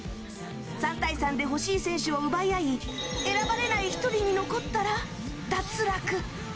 ３対３で欲しい選手を奪い合い選ばれない１人に残ったら脱落！